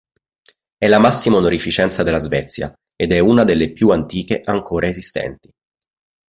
È la massima onorificenza della Svezia ed è una delle più antiche ancora esistenti.